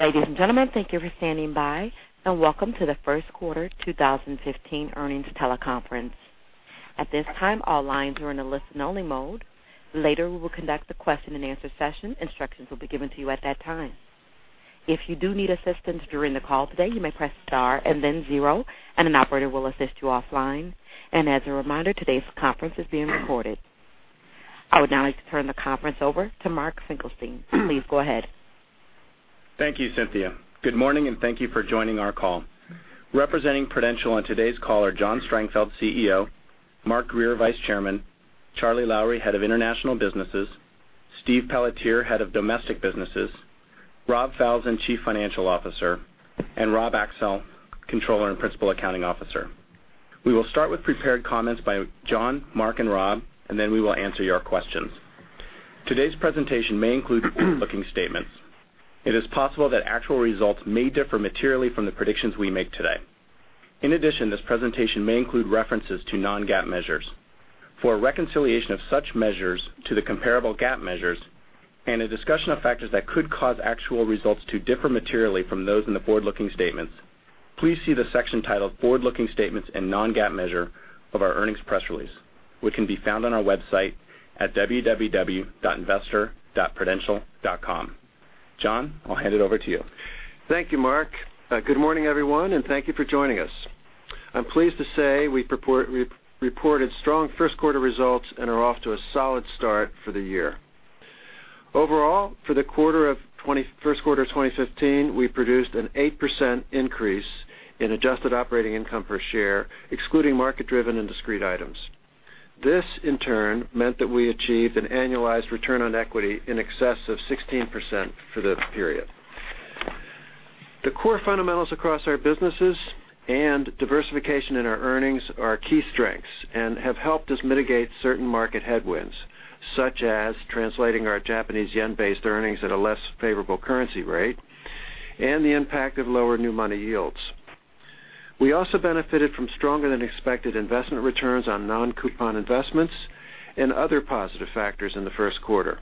Ladies and gentlemen, thank you for standing by, and welcome to the first quarter 2015 earnings teleconference. At this time, all lines are in a listen-only mode. Later, we will conduct a question-and-answer session. Instructions will be given to you at that time. If you do need assistance during the call today, you may press star and then zero, and an operator will assist you offline. As a reminder, today's conference is being recorded. I would now like to turn the conference over to Mark Finkelstein. Please go ahead. Thank you, Cynthia. Good morning, and thank you for joining our call. Representing Prudential on today's call are John Strangfeld, CEO; Mark Grier, Vice Chairman; Charlie Lowrey, Head of International Businesses; Steve Pelletier, Head of Domestic Businesses; Rob Falzon, Chief Financial Officer; and Rob Axel, Comptroller and Principal Accounting Officer. We will start with prepared comments by John, Mark, and Rob, and then we will answer your questions. Today's presentation may include forward-looking statements. It is possible that actual results may differ materially from the predictions we make today. In addition, this presentation may include references to non-GAAP measures. For a reconciliation of such measures to the comparable GAAP measures and a discussion of factors that could cause actual results to differ materially from those in the forward-looking statements, please see the section titled "Forward-Looking Statements and Non-GAAP Measure" of our earnings press release, which can be found on our website at www.investor.prudential.com. John, I'll hand it over to you. Thank you, Mark. Good morning, everyone, and thank you for joining us. I'm pleased to say we reported strong first-quarter results and are off to a solid start for the year. Overall, for the first quarter of 2015, we produced an 8% increase in adjusted operating income per share, excluding market-driven and discrete items. This, in turn, meant that we achieved an annualized return on equity in excess of 16% for the period. The core fundamentals across our businesses and diversification in our earnings are our key strengths and have helped us mitigate certain market headwinds, such as translating our Japanese yen-based earnings at a less favorable currency rate and the impact of lower new money yields. We also benefited from stronger-than-expected investment returns on non-coupon investments and other positive factors in the first quarter.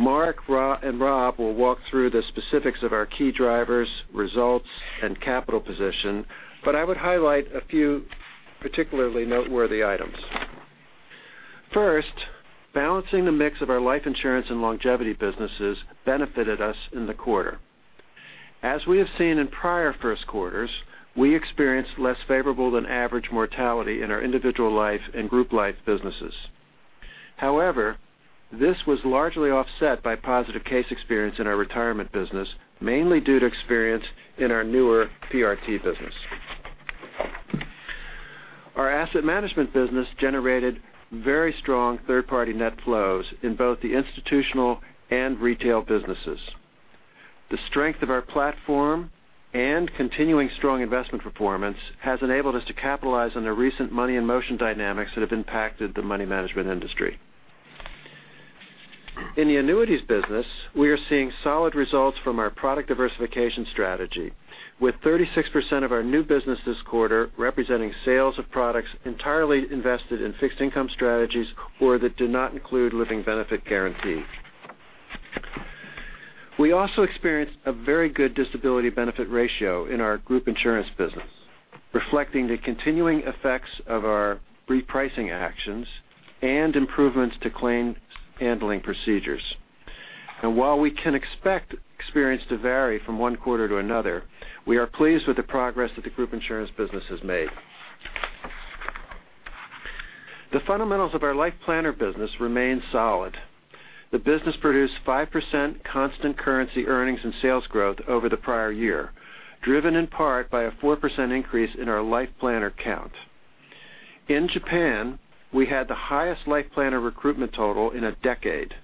Mark and Rob will walk through the specifics of our key drivers, results, and capital position, but I would highlight a few particularly noteworthy items. First, balancing the mix of our life insurance and longevity businesses benefited us in the quarter. As we have seen in prior first quarters, we experienced less favorable than average mortality in our individual life and group life businesses. However, this was largely offset by positive case experience in our retirement business, mainly due to experience in our newer PRT business. Our asset management business generated very strong third-party net flows in both the institutional and retail businesses. The strength of our platform and continuing strong investment performance has enabled us to capitalize on the recent money in motion dynamics that have impacted the money management industry. In the annuities business, we are seeing solid results from our product diversification strategy, with 36% of our new business this quarter representing sales of products entirely invested in fixed income strategies or that do not include living benefit guarantee. We also experienced a very good disability benefit ratio in our group insurance business, reflecting the continuing effects of our repricing actions and improvements to claim handling procedures. Now while we can expect experience to vary from one quarter to another, we are pleased with the progress that the group insurance business has made. The fundamentals of our Life Planner business remain solid. The business produced 5% constant currency earnings and sales growth over the prior year, driven in part by a 4% increase in our Life Planner count. In Japan, we had the highest Life Planner recruitment total in a decade,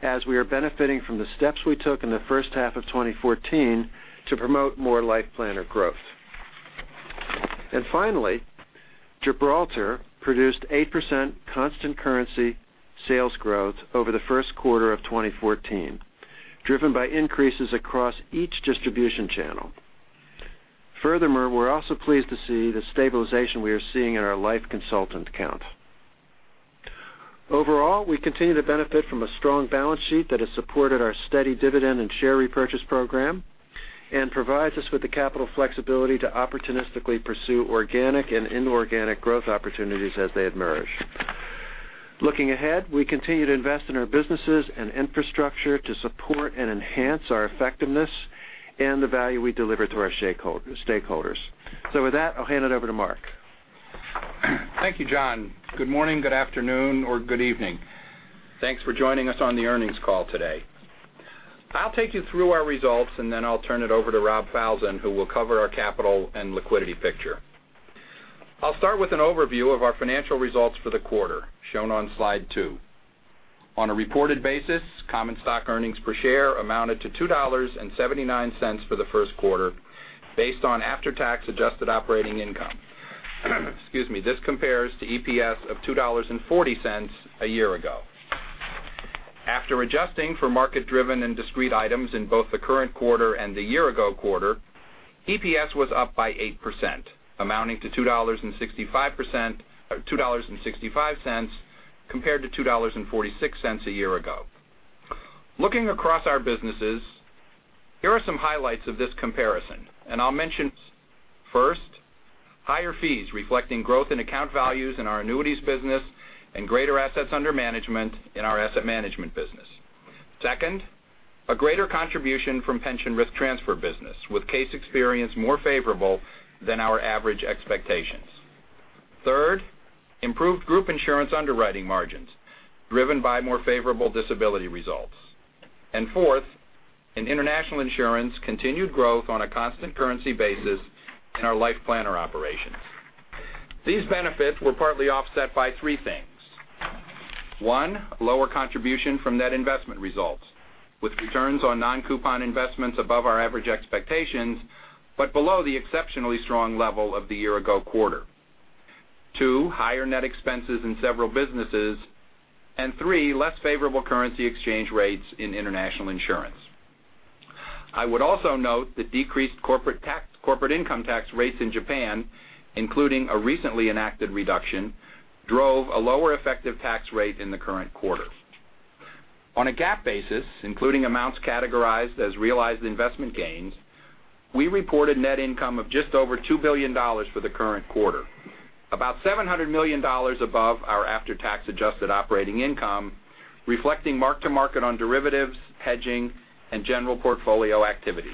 as we are benefiting from the steps we took in the first half of 2014 to promote more Life Planner growth. Finally, Gibraltar produced 8% constant currency sales growth over the first quarter of 2014, driven by increases across each distribution channel. Furthermore, we're also pleased to see the stabilization we are seeing in our life consultant count. Overall, we continue to benefit from a strong balance sheet that has supported our steady dividend and share repurchase program and provides us with the capital flexibility to opportunistically pursue organic and inorganic growth opportunities as they emerge. Looking ahead, we continue to invest in our businesses and infrastructure to support and enhance our effectiveness and the value we deliver to our stakeholders. With that, I'll hand it over to Mark. Thank you, John. Good morning, good afternoon, or good evening. Thanks for joining us on the earnings call today. I'll take you through our results, then I'll turn it over to Rob Falzon, who will cover our capital and liquidity picture. I'll start with an overview of our financial results for the quarter, shown on slide two. On a reported basis, common stock earnings per share amounted to $2.79 for the first quarter, based on after-tax adjusted operating income. Excuse me. This compares to EPS of $2.40 a year-ago. After adjusting for market-driven and discrete items in both the current quarter and the year-ago quarter EPS was up by 8%, amounting to $2.65 compared to $2.46 a year ago. Looking across our businesses, here are some highlights of this comparison, I'll mention first, higher fees reflecting growth in account values in our annuities business and greater assets under management in our asset management business. Second, a greater contribution from pension risk transfer business, with case experience more favorable than our average expectations. Third, improved group insurance underwriting margins driven by more favorable disability results. Fourth, in International Insurance, continued growth on a constant currency basis in our LifePlanner operations. These benefits were partly offset by three things. One, lower contribution from net investment results, with returns on non-coupon investments above our average expectations but below the exceptionally strong level of the year-ago quarter. Two, higher net expenses in several businesses. Three, less favorable currency exchange rates in International Insurance. I would also note the decreased corporate income tax rates in Japan, including a recently enacted reduction, drove a lower effective tax rate in the current quarter. On a GAAP basis, including amounts categorized as realized investment gains, we reported net income of just over $2 billion for the current quarter, about $700 million above our after-tax adjusted operating income, reflecting mark-to-market on derivatives, hedging, and general portfolio activities.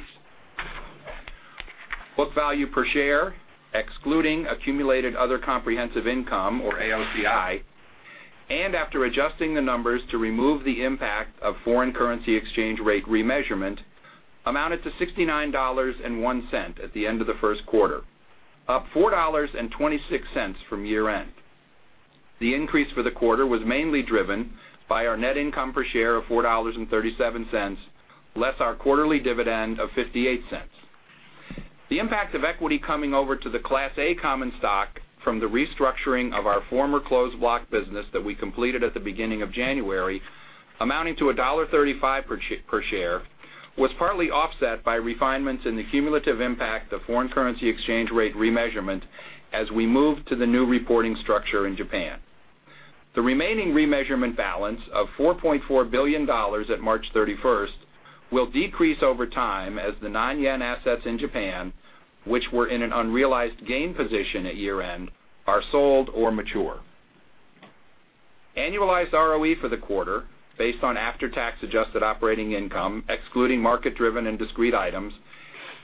Book value per share, excluding accumulated other comprehensive income or AOCI, and after adjusting the numbers to remove the impact of foreign currency exchange rate remeasurement, amounted to $69.01 at the end of the first quarter, up $4.26 from year-end. The increase for the quarter was mainly driven by our net income per share of $4.37 less our quarterly dividend of $0.58. The impact of equity coming over to the Class A common stock from the restructuring of our former closed block business that we completed at the beginning of January, amounting to $1.35 per share, was partly offset by refinements in the cumulative impact of foreign currency exchange rate remeasurement as we move to the new reporting structure in Japan. The remaining remeasurement balance of $4.4 billion at March 31st will decrease over time as the non-JPY assets in Japan, which were in an unrealized gain position at year-end, are sold or mature. Annualized ROE for the quarter, based on after-tax adjusted operating income, excluding market-driven and discrete items,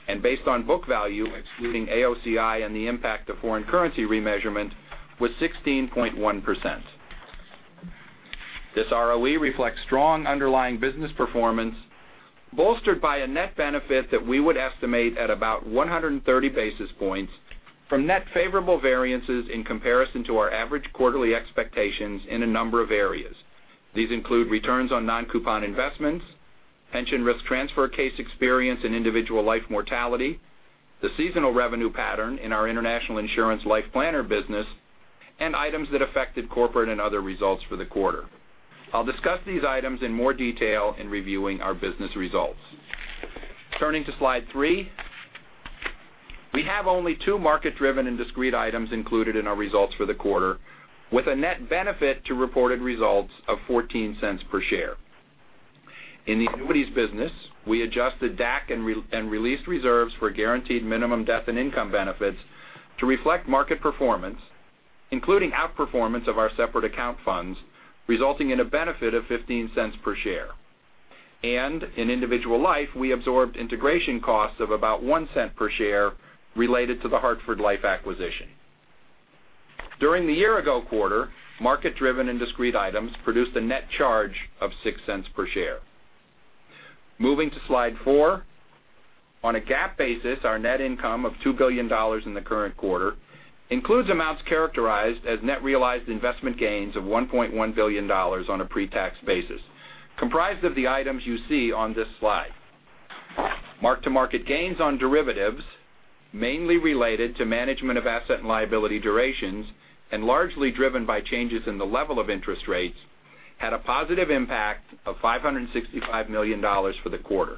and based on book value, excluding AOCI and the impact of foreign currency remeasurement, was 16.1%. This ROE reflects strong underlying business performance bolstered by a net benefit that we would estimate at about 130 basis points from net favorable variances in comparison to our average quarterly expectations in a number of areas. These include returns on non-coupon investments, pension risk transfer case experience in individual life mortality, the seasonal revenue pattern in our International Insurance LifePlanner business, items that affected corporate and other results for the quarter. I'll discuss these items in more detail in reviewing our business results. Turning to slide three, we have only two market-driven and discrete items included in our results for the quarter with a net benefit to reported results of $0.14 per share. In the annuities business, we adjusted DAC and released reserves for guaranteed minimum death and income benefits to reflect market performance, including outperformance of our separate account funds, resulting in a benefit of $0.15 per share. In individual life, we absorbed integration costs of about $0.01 per share related to the Hartford Life acquisition. During the year-ago quarter, market-driven and discrete items produced a net charge of $0.06 per share. Moving to slide four. On a GAAP basis, our net income of $2 billion in the current quarter includes amounts characterized as net realized investment gains of $1.1 billion on a pre-tax basis, comprised of the items you see on this slide. Mark-to-market gains on derivatives, mainly related to management of asset and liability durations and largely driven by changes in the level of interest rates, had a positive impact of $565 million for the quarter.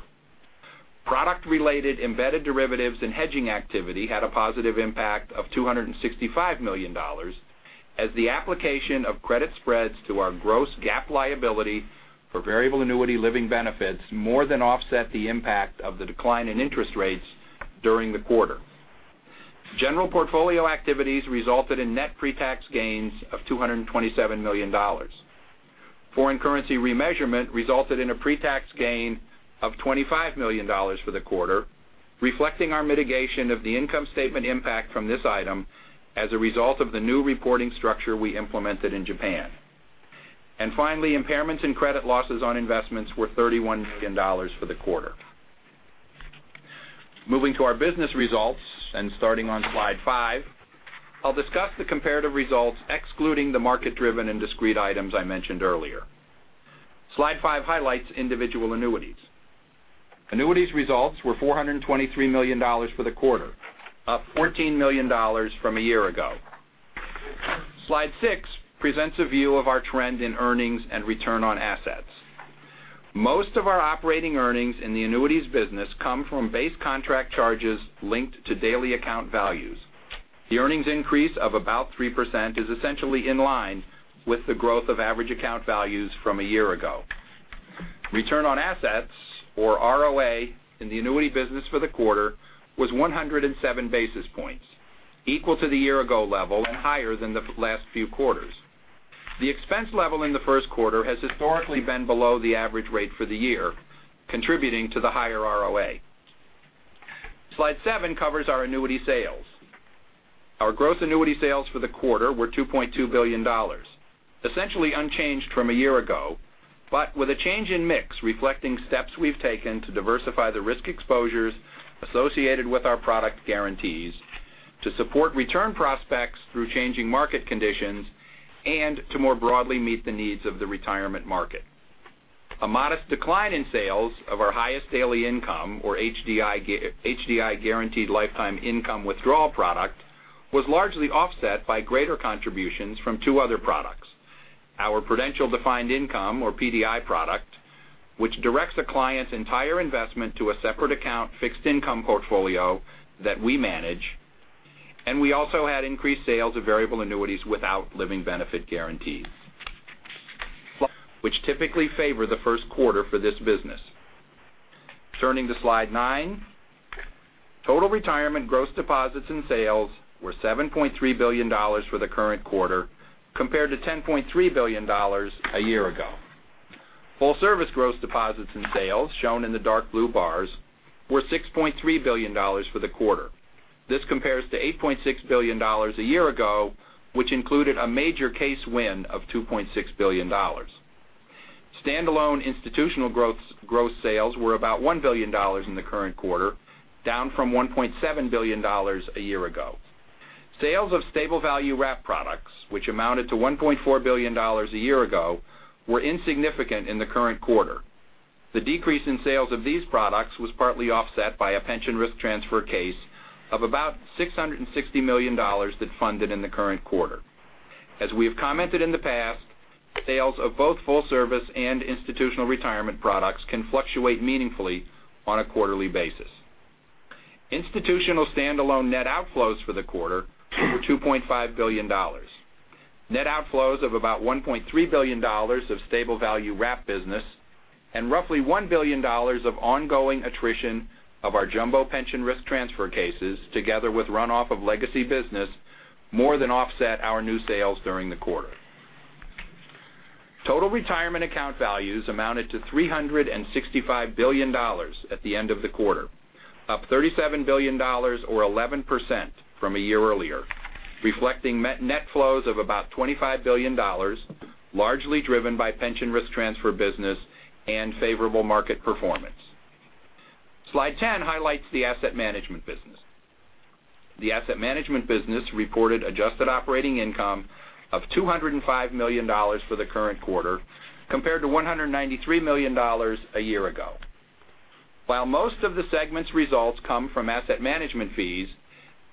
Product-related embedded derivatives and hedging activity had a positive impact of $265 million as the application of credit spreads to our gross GAAP liability for variable annuity living benefits more than offset the impact of the decline in interest rates during the quarter. General portfolio activities resulted in net pre-tax gains of $227 million. Foreign currency remeasurement resulted in a pre-tax gain of $25 million for the quarter, reflecting our mitigation of the income statement impact from this item as a result of the new reporting structure we implemented in Japan. Finally, impairments and credit losses on investments were $31 million for the quarter. Moving to our business results and starting on slide five, I'll discuss the comparative results excluding the market-driven and discrete items I mentioned earlier. Slide five highlights individual annuities. Annuities results were $423 million for the quarter, up $14 million from a year ago. Slide six presents a view of our trend in earnings and return on assets. Most of our operating earnings in the annuities business come from base contract charges linked to daily account values. The earnings increase of about 3% is essentially in line with the growth of average account values from a year ago. Return on assets, or ROA, in the annuity business for the quarter was 107 basis points, equal to the year-ago level and higher than the last few quarters. The expense level in the first quarter has historically been below the average rate for the year, contributing to the higher ROA. Slide seven covers our annuity sales. Our gross annuity sales for the quarter were $2.2 billion, essentially unchanged from a year ago, but with a change in mix reflecting steps we've taken to diversify the risk exposures associated with our product guarantees to support return prospects through changing market conditions and to more broadly meet the needs of the retirement market. A modest decline in sales of our Highest Daily Income, or HDI Guaranteed Lifetime Income withdrawal product, was largely offset by greater contributions from two other products. Our Prudential Defined Income, or PDI product, which directs a client's entire investment to a separate account fixed income portfolio that we manage, and we also had increased sales of variable annuities without living benefit guarantees, which typically favor the first quarter for this business. Turning to slide nine. Total retirement gross deposits and sales were $7.3 billion for the current quarter, compared to $10.3 billion a year ago. Full service gross deposits and sales, shown in the dark blue bars, were $6.3 billion for the quarter. This compares to $8.6 billion a year ago, which included a major case win of $2.6 billion. Standalone institutional gross sales were about $1 billion in the current quarter, down from $1.7 billion a year ago. Sales of stable value wrap products, which amounted to $1.4 billion a year ago, were insignificant in the current quarter. The decrease in sales of these products was partly offset by a pension risk transfer case of about $660 million that funded in the current quarter. As we have commented in the past, sales of both full service and institutional retirement products can fluctuate meaningfully on a quarterly basis. Institutional standalone net outflows for the quarter were $2.5 billion. Net outflows of about $1.3 billion of stable value wrap business and roughly $1 billion of ongoing attrition of our jumbo pension risk transfer cases, together with runoff of legacy business, more than offset our new sales during the quarter. Total retirement account values amounted to $365 billion at the end of the quarter, up $37 billion or 11% from a year earlier, reflecting net flows of about $25 billion, largely driven by pension risk transfer business and favorable market performance. Slide 10 highlights the asset management business. The asset management business reported adjusted operating income of $205 million for the current quarter, compared to $193 million a year ago. While most of the segment's results come from asset management fees,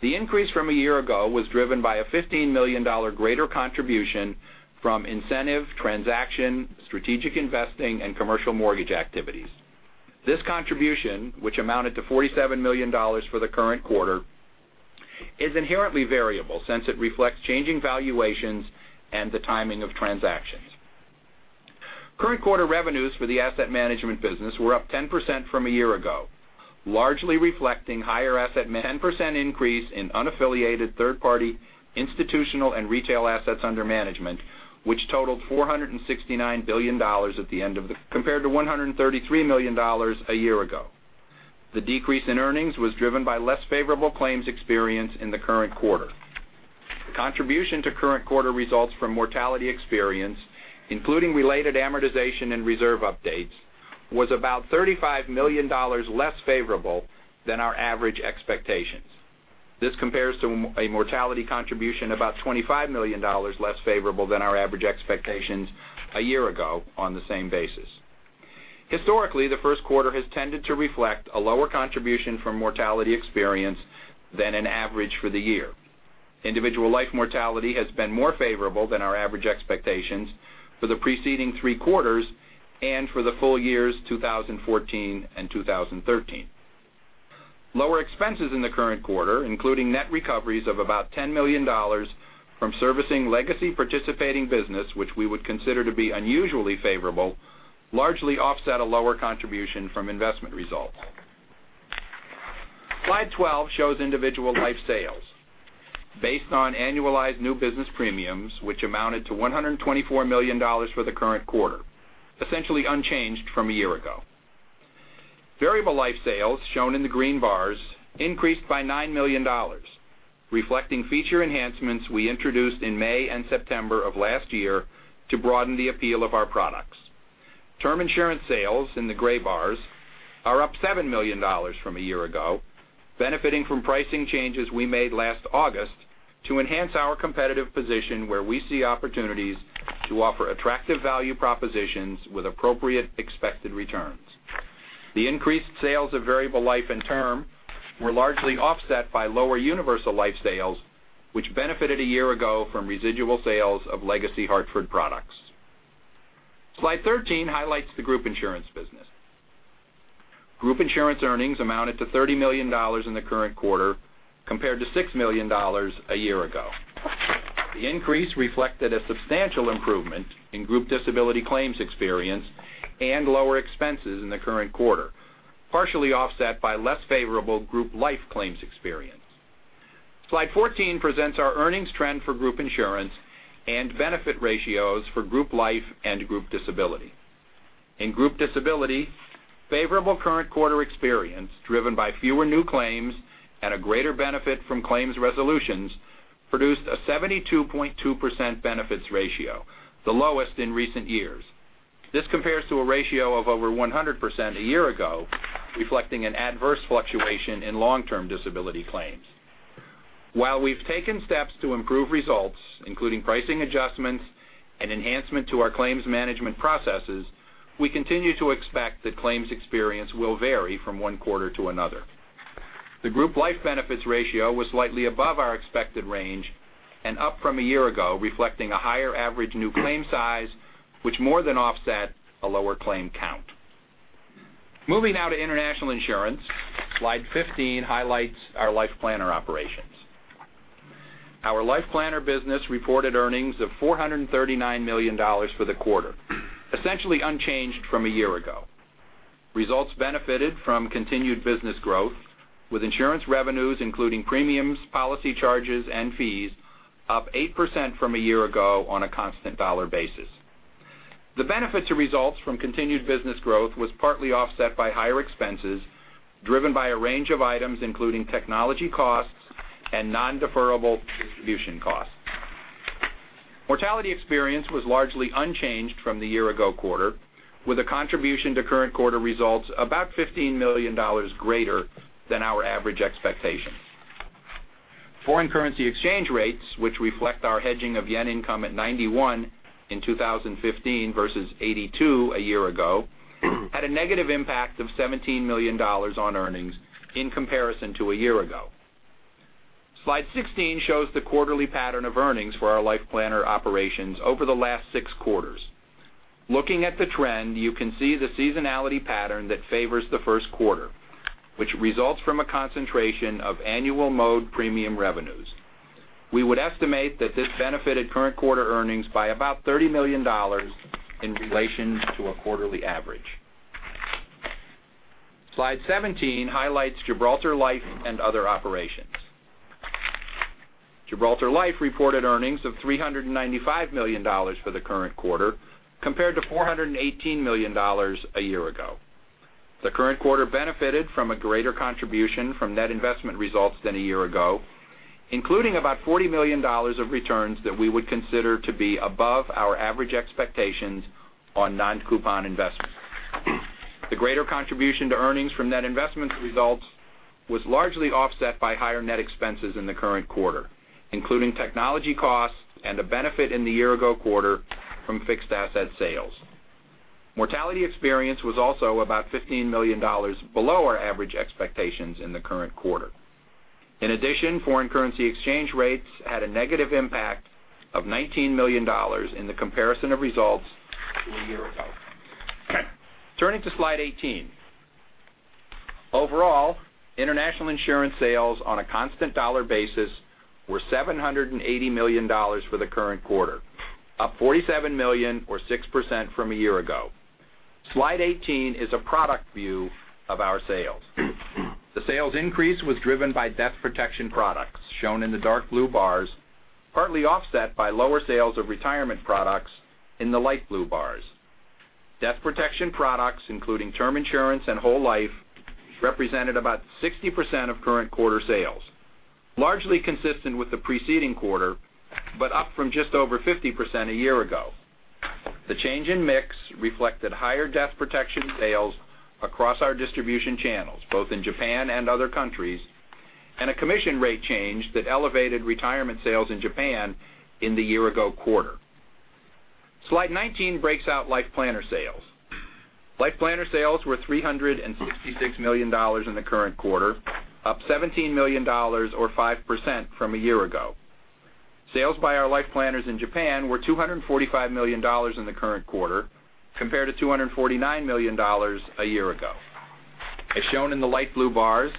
the increase from a year ago was driven by a $15 million greater contribution from incentive transaction, strategic investing, and commercial mortgage activities. This contribution, which amounted to $47 million for the current quarter, is inherently variable, since it reflects changing valuations and the timing of transactions. Current quarter revenues for the asset management business were up 10% from a year ago, largely reflecting higher 10% increase in unaffiliated third party institutional and retail assets under management, which totaled $469 billion at the end of the quarter, compared to $133 million a year ago. The decrease in earnings was driven by less favorable claims experience in the current quarter. Contribution to current quarter results from mortality experience, including related amortization and reserve updates, was about $35 million less favorable than our average expectations. This compares to a mortality contribution about $25 million less favorable than our average expectations a year ago on the same basis. Historically, the first quarter has tended to reflect a lower contribution from mortality experience than an average for the year. Individual life mortality has been more favorable than our average expectations for the preceding three quarters and for the full years 2014 and 2013. Lower expenses in the current quarter, including net recoveries of about $10 million from servicing legacy participating business, which we would consider to be unusually favorable, largely offset a lower contribution from investment results. Slide 12 shows individual life sales based on annualized new business premiums, which amounted to $124 million for the current quarter, essentially unchanged from a year ago. Variable life sales, shown in the green bars, increased by $9 million, reflecting feature enhancements we introduced in May and September of last year to broaden the appeal of our products. Term insurance sales, in the gray bars, are up $7 million from a year ago, benefiting from pricing changes we made last August to enhance our competitive position where we see opportunities to offer attractive value propositions with appropriate expected returns. The increased sales of variable life and term were largely offset by lower universal life sales, which benefited a year ago from residual sales of legacy Hartford products. Slide 13 highlights the group insurance business. Group insurance earnings amounted to $30 million in the current quarter, compared to $6 million a year ago. The increase reflected a substantial improvement in group disability claims experience and lower expenses in the current quarter, partially offset by less favorable group life claims experience. Slide 14 presents our earnings trend for group insurance and benefit ratios for group life and group disability. In group disability, favorable current quarter experience, driven by fewer new claims and a greater benefit from claims resolutions, produced a 72.2% benefits ratio, the lowest in recent years. This compares to a ratio of over 100% a year ago, reflecting an adverse fluctuation in long-term disability claims. While we've taken steps to improve results, including pricing adjustments and enhancement to our claims management processes, we continue to expect that claims experience will vary from one quarter to another. The group life benefits ratio was slightly above our expected range and up from a year ago, reflecting a higher average new claim size, which more than offset a lower claim count. Moving now to international insurance, Slide 15 highlights our Life Planner operations. Our Life Planner business reported earnings of $439 million for the quarter, essentially unchanged from a year ago. Results benefited from continued business growth with insurance revenues, including premiums, policy charges, and fees, up 8% from a year ago on a constant dollar basis. The benefit to results from continued business growth was partly offset by higher expenses, driven by a range of items, including technology costs and non-deferrable distribution costs. Mortality experience was largely unchanged from the year ago quarter, with a contribution to current quarter results about $15 million greater than our average expectations. Foreign currency exchange rates, which reflect our hedging of yen income at 91 in 2015 versus 82 a year ago, had a negative impact of $17 million on earnings in comparison to a year ago. Slide 16 shows the quarterly pattern of earnings for our Life Planner operations over the last six quarters. Looking at the trend, you can see the seasonality pattern that favors the first quarter, which results from a concentration of annual mode premium revenues. We would estimate that this benefited current quarter earnings by about $30 million in relation to a quarterly average. Slide 17 highlights Gibraltar Life and other operations. Gibraltar Life reported earnings of $395 million for the current quarter, compared to $418 million a year ago. The current quarter benefited from a greater contribution from net investment results than a year ago, including $40 million of returns that we would consider to be above our average expectations on non-coupon investments. The greater contribution to earnings from net investment results was largely offset by higher net expenses in the current quarter, including technology costs and a benefit in the year ago quarter from fixed asset sales. Mortality experience was also $15 million below our average expectations in the current quarter. In addition, foreign currency exchange rates had a negative impact of $19 million in the comparison of results to a year ago. Turning to Slide 18. Overall, international insurance sales on a constant dollar basis were $780 million for the current quarter, up $47 million or 6% from a year ago. Slide 18 is a product view of our sales. The sales increase was driven by death protection products, shown in the dark blue bars, partly offset by lower sales of retirement products in the light blue bars. Death protection products, including term insurance and whole life, represented 60% of current quarter sales, largely consistent with the preceding quarter, but up from 50% a year ago. The change in mix reflected higher death protection sales across our distribution channels, both in Japan and other countries, and a commission rate change that elevated retirement sales in Japan in the year ago quarter. Slide 19 breaks out Life Planner sales. Life Planner sales were $366 million in the current quarter, up $17 million or 5% from a year ago. Sales by our Life Planners in Japan were $245 million in the current quarter, compared to $249 million a year ago. As shown in the light blue bars,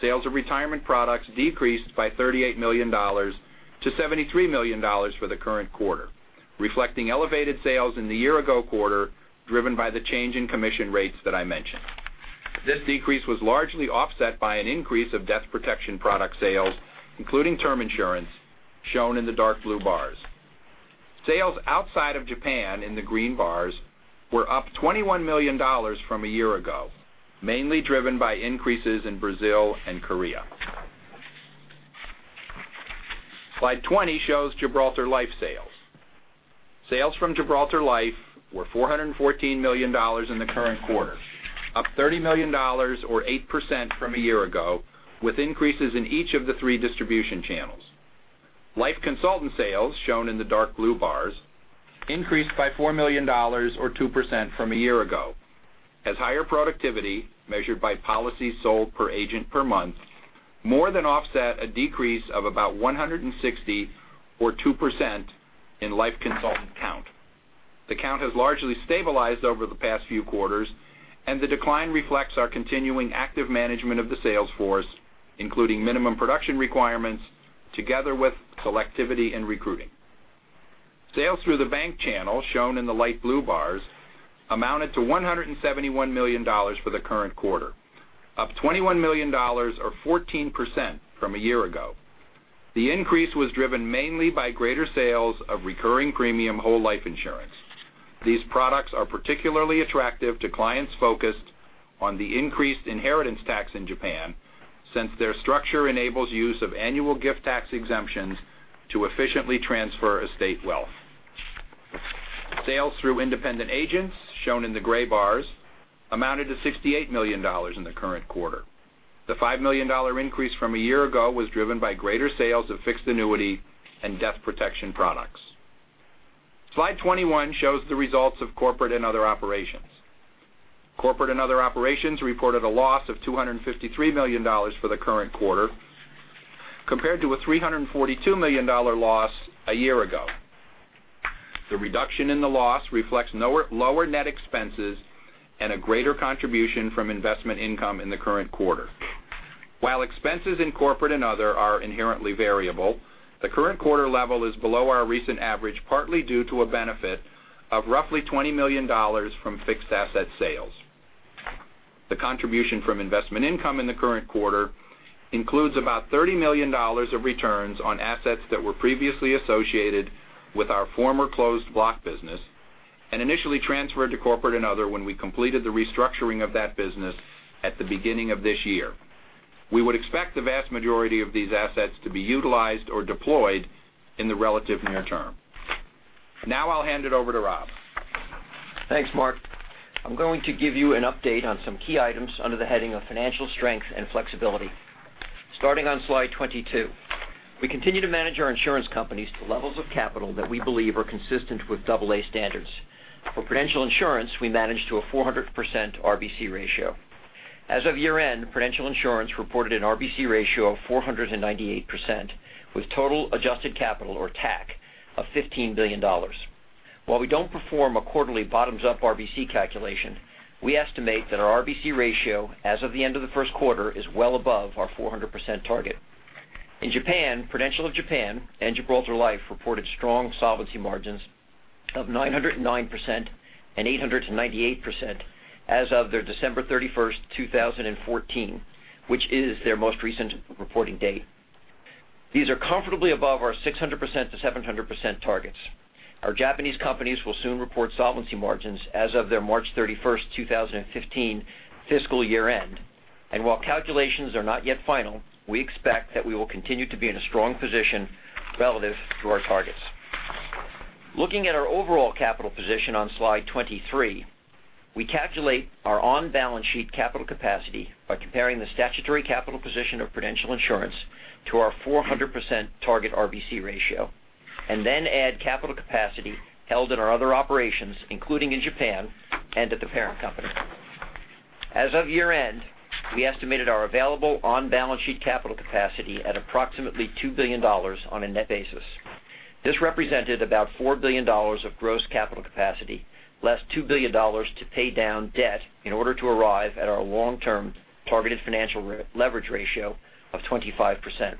sales of retirement products decreased by $38 million to $73 million for the current quarter, reflecting elevated sales in the year ago quarter, driven by the change in commission rates that I mentioned. This decrease was largely offset by an increase of death protection product sales, including term insurance, shown in the dark blue bars. Sales outside of Japan, in the green bars, were up $21 million from a year ago, mainly driven by increases in Brazil and Korea. Slide 20 shows Gibraltar Life sales. Sales from Gibraltar Life were $414 million in the current quarter, up $30 million or 8% from a year ago, with increases in each of the three distribution channels. Life consultant sales, shown in the dark blue bars, increased by $4 million or 2% from a year ago, as higher productivity, measured by policy sold per agent per month, more than offset a decrease of 160 or 2% in life consultant count. The count has largely stabilized over the past few quarters, and the decline reflects our continuing active management of the sales force, including minimum production requirements together with selectivity in recruiting. Sales through the bank channel, shown in the light blue bars, amounted to $171 million for the current quarter, up $21 million or 14% from a year ago. The increase was driven mainly by greater sales of recurring premium whole life insurance. These products are particularly attractive to clients focused on the increased inheritance tax in Japan, since their structure enables use of annual gift tax exemptions to efficiently transfer estate wealth. Sales through independent agents, shown in the gray bars, amounted to $68 million in the current quarter. The $5 million increase from a year ago was driven by greater sales of fixed annuity and death protection products. Slide 21 shows the results of Corporate and Other Operations. Corporate and Other Operations reported a loss of $253 million for the current quarter, compared to a $342 million loss a year ago. The reduction in the loss reflects lower net expenses and a greater contribution from investment income in the current quarter. While expenses in Corporate and Other are inherently variable, the current quarter level is below our recent average, partly due to a benefit of roughly $20 million from fixed asset sales. The contribution from investment income in the current quarter includes about $30 million of returns on assets that were previously associated with our former closed block business and initially transferred to Corporate and Other when we completed the restructuring of that business at the beginning of this year. I'll hand it over to Rob. Thanks, Mark. I'm going to give you an update on some key items under the heading of financial strength and flexibility. Starting on slide 22. We continue to manage our insurance companies to levels of capital that we believe are consistent with AA standards. For Prudential Insurance, we manage to a 400% RBC ratio. As of year-end, Prudential Insurance reported an RBC ratio of 498%, with total adjusted capital or TAC of $15 billion. While we don't perform a quarterly bottoms-up RBC calculation, we estimate that our RBC ratio as of the end of the first quarter is well above our 400% target. In Japan, Prudential of Japan and Gibraltar Life reported strong solvency margins of 909% and 898% as of their December 31st, 2014, which is their most recent reporting date. These are comfortably above our 600%-700% targets. Our Japanese companies will soon report solvency margins as of their March 31st, 2015, fiscal year-end, while calculations are not yet final, we expect that we will continue to be in a strong position relative to our targets. Looking at our overall capital position on slide 23, we calculate our on-balance sheet capital capacity by comparing the statutory capital position of Prudential Insurance to our 400% target RBC ratio, then add capital capacity held in our other operations, including in Japan and at the parent company. As of year-end, we estimated our available on-balance sheet capital capacity at approximately $2 billion on a net basis. This represented about $4 billion of gross capital capacity, less $2 billion to pay down debt in order to arrive at our long-term targeted financial leverage ratio of 25%.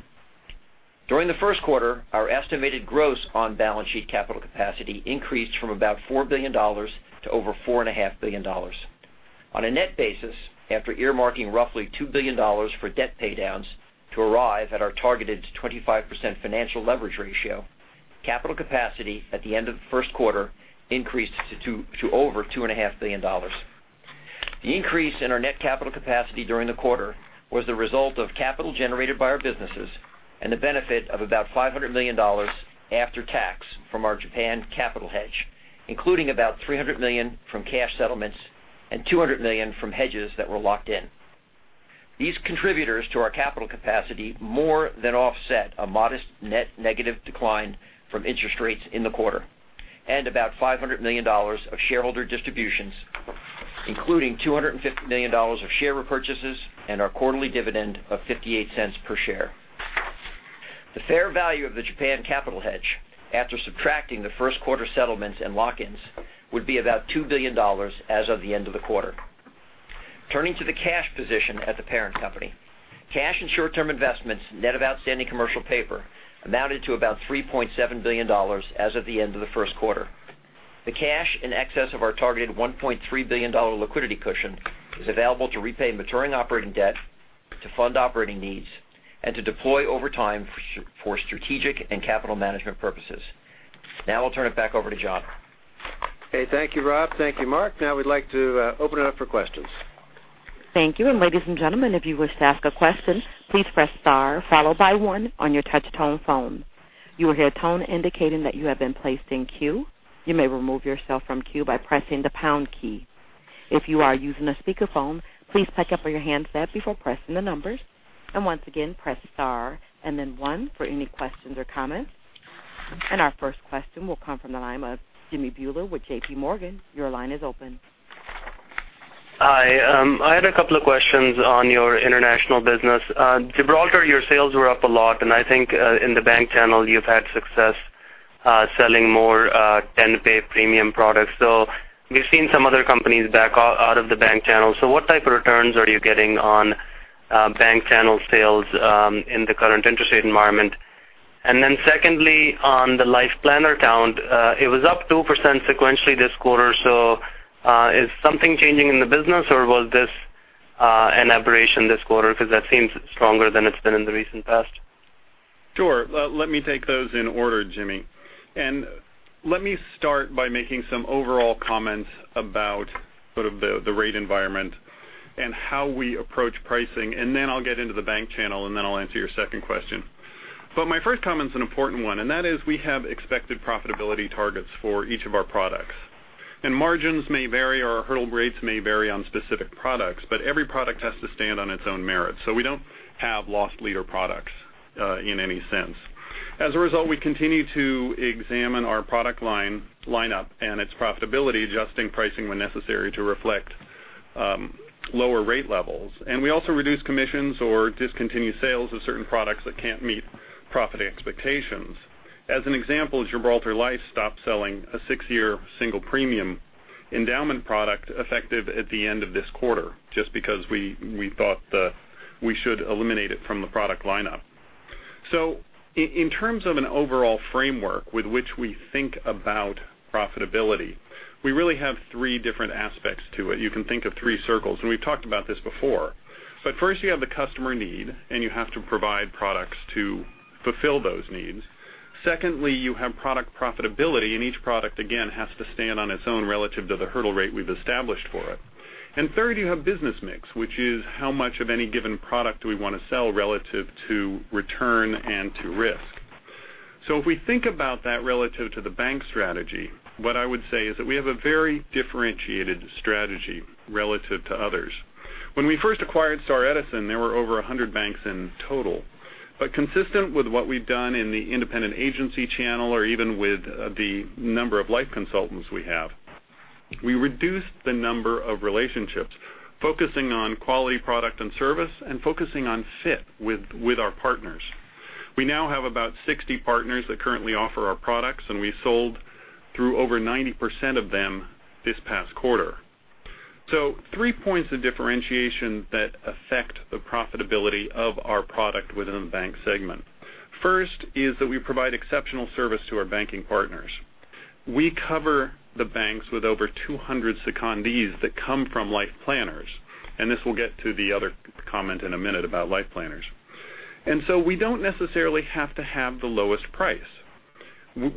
During the first quarter, our estimated gross on-balance sheet capital capacity increased from about $4 billion to over $4.5 billion. On a net basis, after earmarking roughly $2 billion for debt paydowns to arrive at our targeted 25% financial leverage ratio, capital capacity at the end of the first quarter increased to over $2.5 billion. The increase in our net capital capacity during the quarter was the result of capital generated by our businesses and the benefit of about $500 million after tax from our Japan capital hedge, including about $300 million from cash settlements and $200 million from hedges that were locked in. These contributors to our capital capacity more than offset a modest net negative decline from interest rates in the quarter and about $500 million of shareholder distributions, including $250 million of share repurchases and our quarterly dividend of $0.58 per share. The fair value of the Japan capital hedge, after subtracting the first quarter settlements and lock-ins, would be about $2 billion as of the end of the quarter. Turning to the cash position at the parent company. Cash and short-term investments, net of outstanding commercial paper, amounted to about $3.7 billion as of the end of the first quarter. The cash in excess of our targeted $1.3 billion liquidity cushion is available to repay maturing operating debt, to fund operating needs, and to deploy over time for strategic and capital management purposes. I'll turn it back over to John. Okay. Thank you, Rob. Thank you, Mark. We'd like to open it up for questions. Thank you. Ladies and gentlemen, if you wish to ask a question, please press star followed by one on your touch-tone phone. You will hear a tone indicating that you have been placed in queue. You may remove yourself from queue by pressing the pound key. If you are using a speakerphone, please pick up your handset before pressing the numbers. Once again, press star and then one for any questions or comments. Our first question will come from the line of Jimmy Bhullar with JPMorgan. Your line is open. Hi, I had a couple of questions on your international business. Gibraltar, your sales were up a lot, and I think in the bank channel you've had success selling more 10-pay premium products. We've seen some other companies back out of the bank channel. What type of returns are you getting on bank channel sales in the current interest rate environment? Secondly, on the Life Planner count, it was up 2% sequentially this quarter. Is something changing in the business or was this an aberration this quarter? Because that seems stronger than it's been in the recent past. Sure. Let me take those in order, Jimmy, and let me start by making some overall comments about sort of the rate environment and how we approach pricing, and then I'll get into the bank channel, and then I'll answer your second question. My first comment is an important one, and that is we have expected profitability targets for each of our products. Margins may vary, or our hurdle rates may vary on specific products, but every product has to stand on its own merit. We don't have loss leader products in any sense. As a result, we continue to examine our product line lineup and its profitability, adjusting pricing when necessary to reflect lower rate levels. We also reduce commissions or discontinue sales of certain products that can't meet profit expectations. As an example, Gibraltar Life stopped selling a six-year single premium endowment product effective at the end of this quarter, just because we thought that we should eliminate it from the product lineup. In terms of an overall framework with which we think about profitability, we really have three different aspects to it. You can think of three circles, and we've talked about this before. First you have the customer need, and you have to provide products to fulfill those needs. Secondly, you have product profitability. Each product, again, has to stand on its own relative to the hurdle rate we've established for it. Third, you have business mix, which is how much of any given product do we want to sell relative to return and to risk. If we think about that relative to the bank strategy, what I would say is that we have a very differentiated strategy relative to others. When we first acquired Star Edison, there were over 100 banks in total. Consistent with what we've done in the independent agency channel or even with the number of life consultants we have, we reduced the number of relationships, focusing on quality product and service, and focusing on fit with our partners. We now have about 60 partners that currently offer our products, and we sold through over 90% of them this past quarter. Three points of differentiation that affect the profitability of our product within the bank segment. First is that we provide exceptional service to our banking partners. We cover the banks with over 200 secondees that come from Life Planners, this will get to the other comment in a minute about Life Planners. We don't necessarily have to have the lowest price.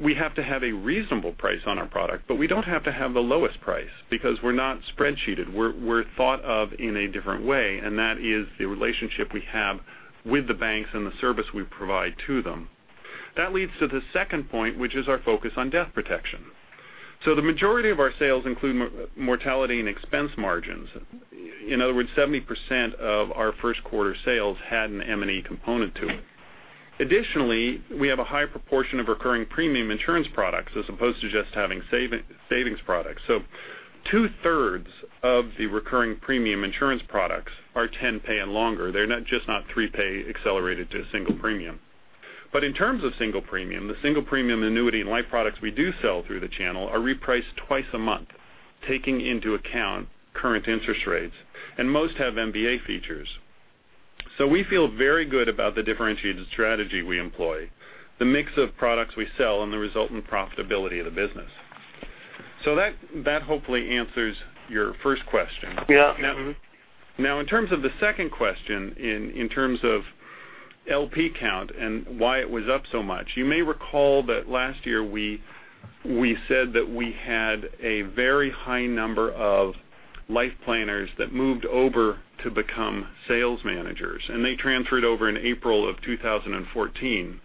We have to have a reasonable price on our product, but we don't have to have the lowest price because we're not spreadsheeted. We're thought of in a different way, and that is the relationship we have with the banks and the service we provide to them. That leads to the second point, which is our focus on death protection. The majority of our sales include mortality and expense margins. In other words, 70% of our first quarter sales had an M&E component to it. Additionally, we have a high proportion of recurring premium insurance products as opposed to just having savings products. Two-thirds of the recurring premium insurance products are 10-pay and longer. They're not just not 3-pay accelerated to a single premium. In terms of single premium, the single premium annuity and life products we do sell through the channel are repriced twice a month, taking into account current interest rates, and most have MVA features. We feel very good about the differentiated strategy we employ, the mix of products we sell, and the resultant profitability of the business. That hopefully answers your first question. Yeah. Mm-hmm. In terms of the second question, in terms of LP count and why it was up so much, you may recall that last year we said that we had a very high number of Life Planners that moved over to become sales managers. They transferred over in April of 2014.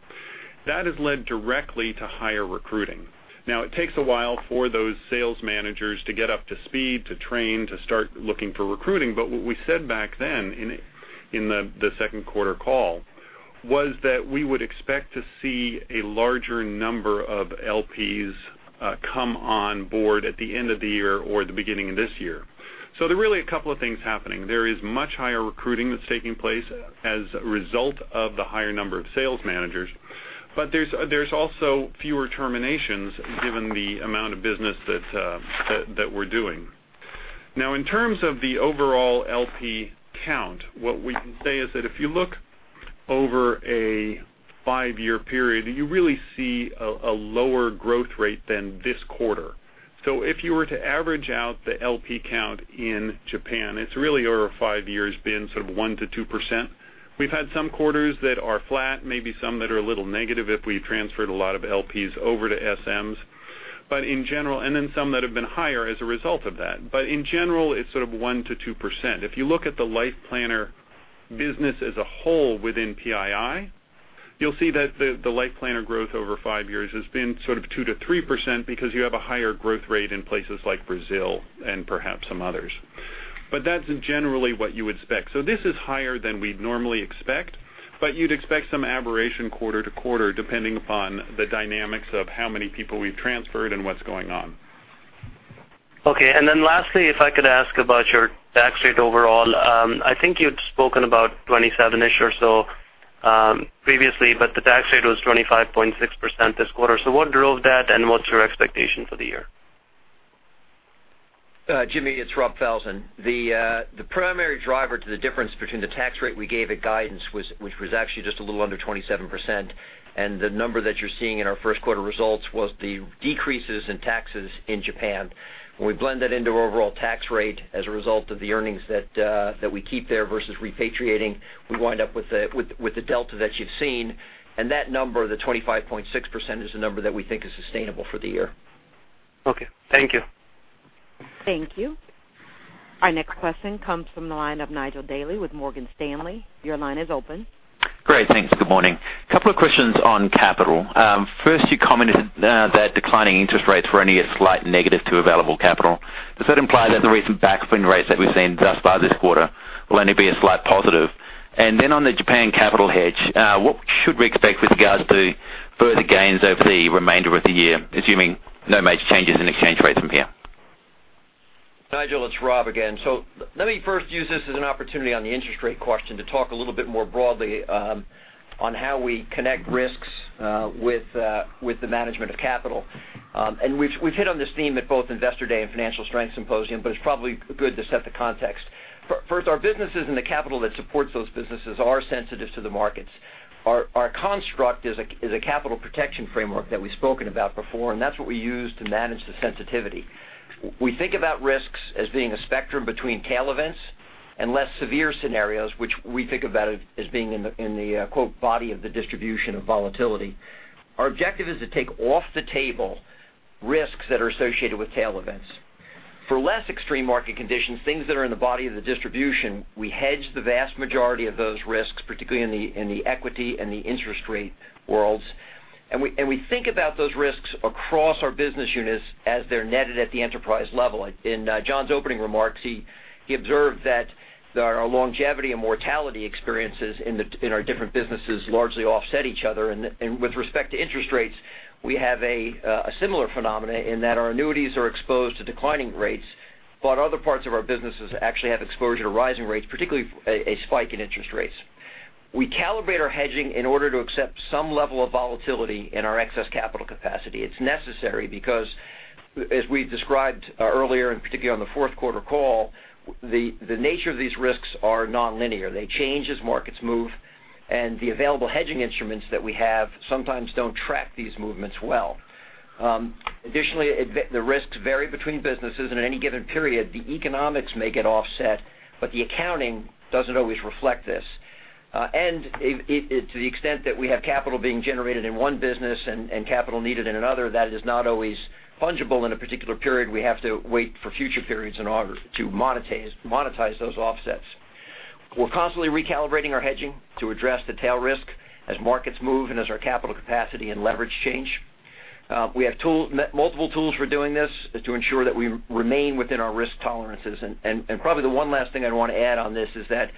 That has led directly to higher recruiting. It takes a while for those sales managers to get up to speed, to train, to start looking for recruiting. What we said back then in the second quarter call was that we would expect to see a larger number of LPs come on board at the end of the year or the beginning of this year. There are really a couple of things happening. There is much higher recruiting that's taking place as a result of the higher number of sales managers, but there's also fewer terminations given the amount of business that we're doing. In terms of the overall LP count, what we can say is that if you look over a five-year period, you really see a lower growth rate than this quarter. If you were to average out the LP count in Japan, it's really over five years been sort of 1%-2%. We've had some quarters that are flat, maybe some that are a little negative if we've transferred a lot of LPs over to SMs, and then some that have been higher as a result of that. But in general, it's sort of 1%-2%. If you look at the Life Planner business as a whole within PII. You'll see that the Life Planner growth over five years has been sort of 2%-3% because you have a higher growth rate in places like Brazil and perhaps some others. That's generally what you would expect. This is higher than we'd normally expect, but you'd expect some aberration quarter-to-quarter, depending upon the dynamics of how many people we've transferred and what's going on. Lastly, if I could ask about your tax rate overall. I think you'd spoken about 27-ish or so previously, the tax rate was 25.6% this quarter. What drove that, and what's your expectation for the year? Jimmy, it's Rob Falzon. The primary driver to the difference between the tax rate we gave at guidance, which was actually just a little under 27%, and the number that you're seeing in our first quarter results was the decreases in taxes in Japan. When we blend that into our overall tax rate as a result of the earnings that we keep there versus repatriating, we wind up with the delta that you've seen. That number, the 25.6%, is the number that we think is sustainable for the year. Okay. Thank you. Thank you. Our next question comes from the line of Nigel Dally with Morgan Stanley. Your line is open. Great. Thanks. Good morning. Couple of questions on capital. First, you commented that declining interest rates were only a slight negative to available capital. Does that imply that the recent backup in rates that we've seen thus far this quarter will only be a slight positive? And then on the Japan capital hedge, what should we expect with regards to further gains over the remainder of the year, assuming no major changes in exchange rates from here? Nigel, it's Rob again. Let me first use this as an opportunity on the interest rate question to talk a little bit more broadly on how we connect risks with the management of capital. We've hit on this theme at both Investor Day and Financial Strength Symposium, but it's probably good to set the context. First, our businesses and the capital that supports those businesses are sensitive to the markets. Our construct is a Capital Protection Framework that we've spoken about before, and that's what we use to manage the sensitivity. We think about risks as being a spectrum between tail events and less severe scenarios, which we think about as being in the, quote, "body of the distribution of volatility." Our objective is to take off the table risks that are associated with tail events. For less extreme market conditions, things that are in the body of the distribution, we hedge the vast majority of those risks, particularly in the equity and the interest rate worlds. We think about those risks across our business units as they're netted at the enterprise level. In John's opening remarks, he observed that our longevity and mortality experiences in our different businesses largely offset each other. With respect to interest rates, we have a similar phenomena in that our annuities are exposed to declining rates, but other parts of our businesses actually have exposure to rising rates, particularly a spike in interest rates. We calibrate our hedging in order to accept some level of volatility in our excess capital capacity. It's necessary because, as we described earlier, and particularly on the fourth quarter call, the nature of these risks are non-linear. They change as markets move, the available hedging instruments that we have sometimes don't track these movements well. Additionally, the risks vary between businesses in any given period. The economics may get offset, but the accounting doesn't always reflect this. To the extent that we have capital being generated in one business and capital needed in another, that is not always fungible in a particular period. We have to wait for future periods in order to monetize those offsets. We're constantly recalibrating our hedging to address the tail risk as markets move and as our capital capacity and leverage change. We have multiple tools for doing this to ensure that we remain within our risk tolerances. Probably the one last thing I'd want to add on this is that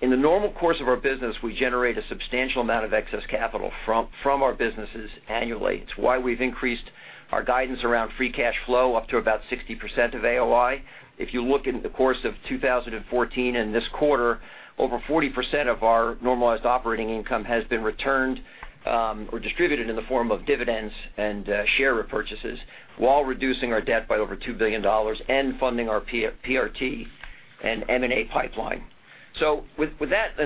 in the normal course of our business, we generate a substantial amount of excess capital from our businesses annually. It's why we've increased our guidance around free cash flow up to about 60% of AOI. If you look in the course of 2014 and this quarter, over 40% of our normalized operating income has been returned or distributed in the form of dividends and share repurchases while reducing our debt by over $2 billion and funding our PRT and M&A pipeline. With that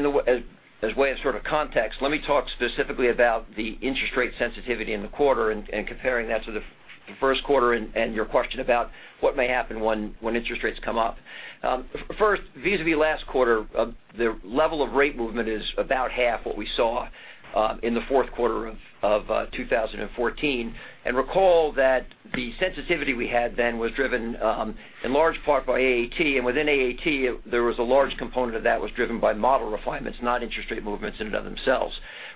as way of sort of context, let me talk specifically about the interest rate sensitivity in the quarter and comparing that to the first quarter and your question about what may happen when interest rates come up. First, vis-à-vis last quarter, the level of rate movement is about half what we saw in the fourth quarter of 2014. Recall that the sensitivity we had then was driven in large part by AAT, and within AAT, there was a large component of that was driven by model refinements, not interest rate movements in and of themselves.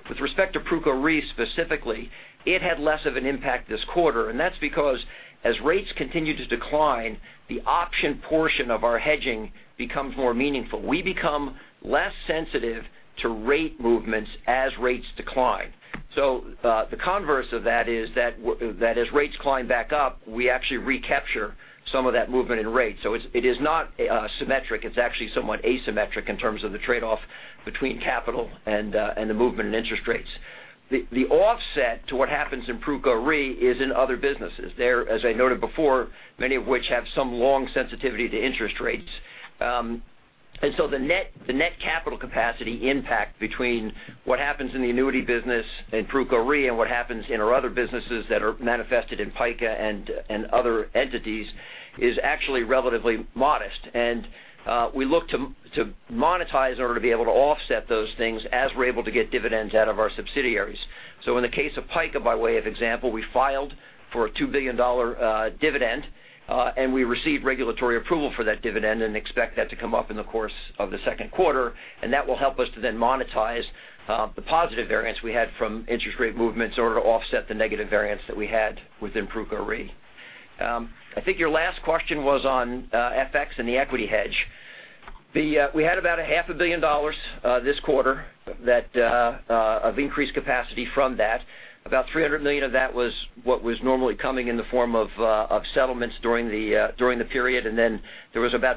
With respect to Pruco Re, specifically, it had less of an impact this quarter, that's because as rates continue to decline, the option portion of our hedging becomes more meaningful. We become less sensitive to rate movements as rates decline. The converse of that is that as rates climb back up, we actually recapture some of that movement in rates. It's actually somewhat asymmetric in terms of the trade-off between capital and the movement in interest rates. The offset to what happens in Pruco Re is in other businesses. There, as I noted before, many of which have some long sensitivity to interest rates. The net capital capacity impact between what happens in the annuity business in Pruco Re and what happens in our other businesses that are manifested in PICA and other entities is actually relatively modest, and we look to monetize in order to be able to offset those things as we're able to get dividends out of our subsidiaries. In the case of PICA, by way of example, we filed for a $2 billion dividend, and we received regulatory approval for that dividend and expect that to come up in the course of the second quarter. That will help us to then monetize the positive variance we had from interest rate movements in order to offset the negative variance that we had within Pruco Re. I think your last question was on FX and the equity hedge. We had about a half a billion dollars this quarter of increased capacity from that. Then there was about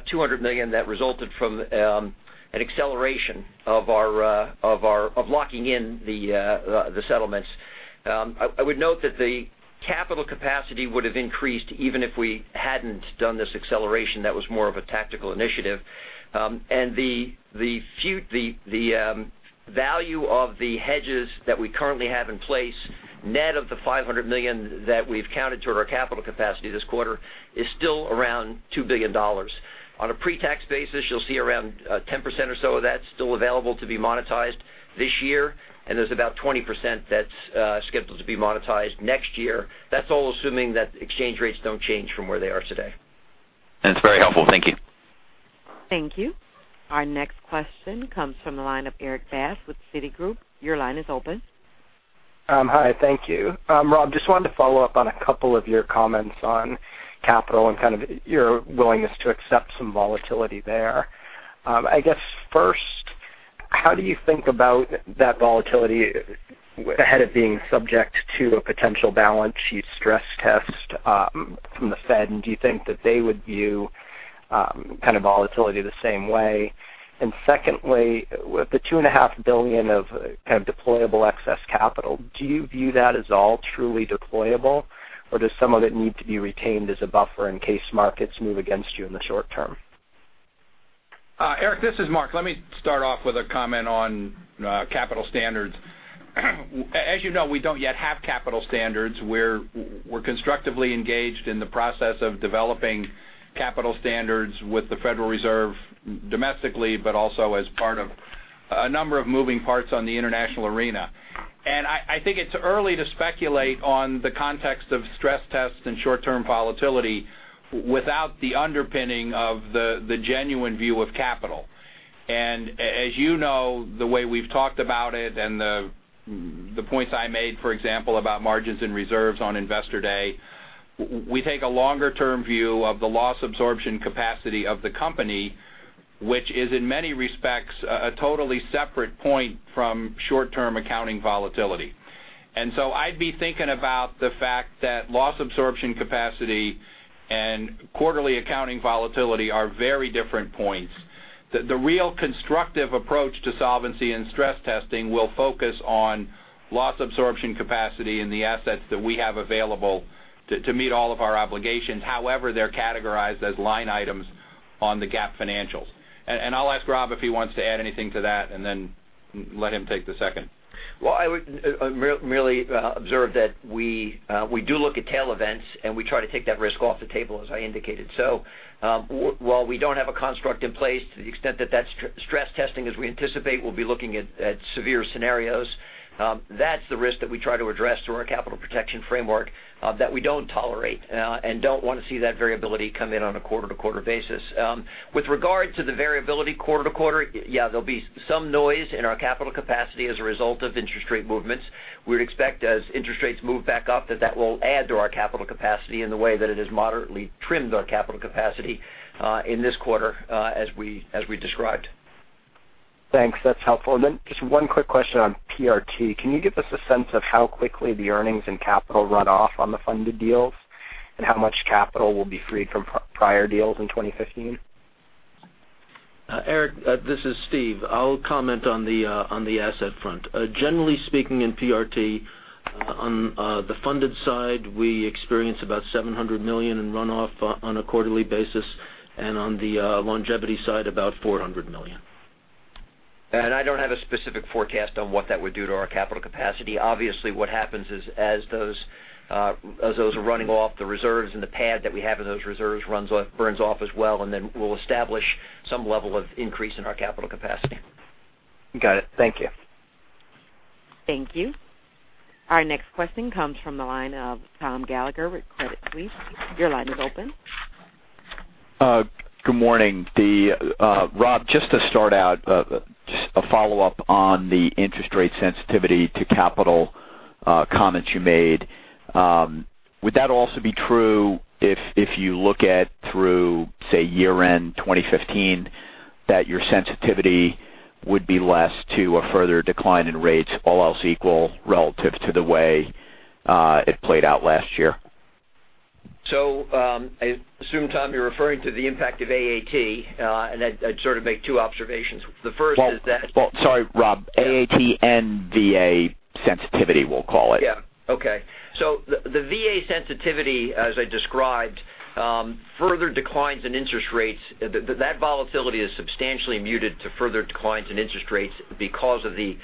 $200 million that resulted from an acceleration of locking in the settlements. I would note that the capital capacity would have increased even if we hadn't done this acceleration. That was more of a tactical initiative. The value of the hedges that we currently have in place, net of the $500 million that we've counted toward our capital capacity this quarter, is still around $2 billion. On a pre-tax basis, you'll see around 10% or so of that still available to be monetized this year, and there's about 20% that's scheduled to be monetized next year. That's all assuming that exchange rates don't change from where they are today. That's very helpful. Thank you. Thank you. Our next question comes from the line of Erik Bass with Citigroup. Your line is open. Hi, thank you. Rob, just wanted to follow up on a couple of your comments on capital and kind of your willingness to accept some volatility there. I guess, first, how do you think about that volatility ahead of being subject to a potential balance sheet stress test from the Fed, do you think that they would view volatility the same way? Secondly, with the $2.5 billion of kind of deployable excess capital, do you view that as all truly deployable, or does some of it need to be retained as a buffer in case markets move against you in the short term? Erik, this is Mark. Let me start off with a comment on capital standards. As you know, we don't yet have capital standards. We're constructively engaged in the process of developing capital standards with the Federal Reserve domestically, but also as part of a number of moving parts on the international arena. I think it's early to speculate on the context of stress tests and short-term volatility without the underpinning of the genuine view of capital. As you know, the way we've talked about it and the points I made, for example, about margins and reserves on Investor Day, we take a longer-term view of the loss absorption capacity of the company, which is in many respects a totally separate point from short-term accounting volatility. So I'd be thinking about the fact that loss absorption capacity and quarterly accounting volatility are very different points. The real constructive approach to solvency and stress testing will focus on loss absorption capacity and the assets that we have available to meet all of our obligations, however they're categorized as line items on the GAAP financials. I'll ask Rob if he wants to add anything to that, then let him take the second. I would merely observe that we do look at tail events, and we try to take that risk off the table, as I indicated. While we don't have a construct in place to the extent that that stress testing, as we anticipate, will be looking at severe scenarios. That's the risk that we try to address through our Capital Protection Framework that we don't tolerate and don't want to see that variability come in on a quarter-to-quarter basis. With regard to the variability quarter-to-quarter, yeah, there'll be some noise in our capital capacity as a result of interest rate movements. We'd expect as interest rates move back up that that will add to our capital capacity in the way that it has moderately trimmed our capital capacity in this quarter as we described. Thanks. That's helpful. Then just one quick question on PRT. Can you give us a sense of how quickly the earnings and capital run off on the funded deals and how much capital will be freed from prior deals in 2015? Erik, this is Stephen. I'll comment on the asset front. Generally speaking, in PRT, on the funded side, we experience about $700 million in runoff on a quarterly basis, and on the longevity side, about $400 million. I don't have a specific forecast on what that would do to our capital capacity. Obviously, what happens is as those are running off the reserves and the pad that we have in those reserves burns off as well. Then we'll establish some level of increase in our capital capacity. Got it. Thank you. Thank you. Our next question comes from the line of Tom Gallagher with Credit Suisse. Your line is open. Good morning. Rob, just to start out, just a follow-up on the interest rate sensitivity to capital comments you made. Would that also be true if you look at through, say, year-end 2015, that your sensitivity would be less to a further decline in rates, all else equal, relative to the way it played out last year? I assume, Tom, you're referring to the impact of AAT, and I'd sort of make two observations. The first is that. Well, sorry, Rob. AAT and VA sensitivity, we'll call it. Yeah. Okay. The VA sensitivity, as I described, further declines in interest rates. That volatility is substantially muted to further declines in interest rates because of the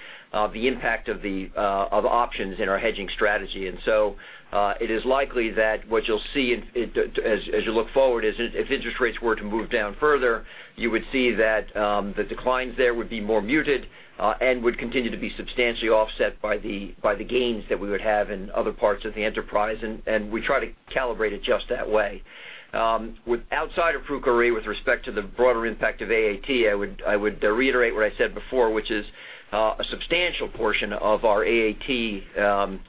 impact of options in our hedging strategy. It is likely that what you'll see as you look forward is if interest rates were to move down further, you would see that the declines there would be more muted and would continue to be substantially offset by the gains that we would have in other parts of the enterprise, and we try to calibrate it just that way. Outside of Pruco Re, with respect to the broader impact of AAT, I would reiterate what I said before, which is a substantial portion of our AAT